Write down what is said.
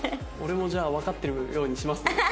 俺もじゃあわかってるようにしますね。